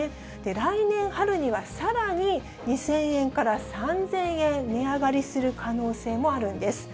来年春にはさらに２０００円から３０００円値上がりする可能性もあるんです。